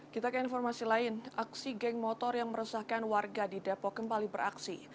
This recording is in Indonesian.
kita ke informasi lain aksi geng motor yang meresahkan warga di depok kembali beraksi